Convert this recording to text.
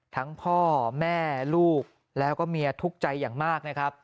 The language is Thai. พ่อแม่ลูกแล้วก็เมียทุกข์ใจอย่างมากนะครับ